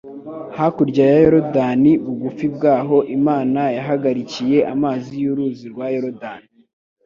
hakurya ya Yorodani, bugufi bw'aho Imana yahagarikiye amazi y'uruzi rwa Yorodani